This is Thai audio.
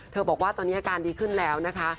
บอกว่าตอนนี้อาการดีขึ้นแล้วนะคะ